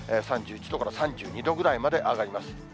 ３１度から３２度ぐらいまで上がります。